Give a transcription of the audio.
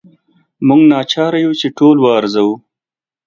موږ ناچاره یو چې ټول وارزوو.